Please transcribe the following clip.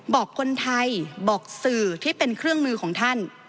บอกคนไทยบอกสื่อที่เป็นเครื่องมือของท่าน